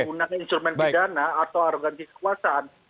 menggunakan instrumen pidana atau aroganis kuasaan